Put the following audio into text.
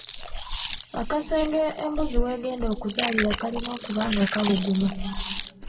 Akasenge embuzi w'egenda okuzaalira kalina okuba nga kabuguma.